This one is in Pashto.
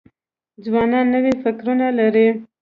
ځوانان نوي فکرونه لري.